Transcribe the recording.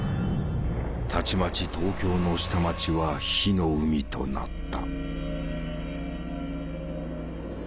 たちまち東京の下町は火の海となった。